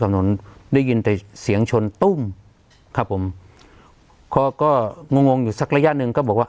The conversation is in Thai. ถนนได้ยินแต่เสียงชนตุ้มครับผมเขาก็งงงอยู่สักระยะหนึ่งก็บอกว่า